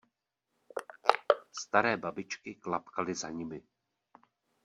Staré babičky klapkaly za nimi.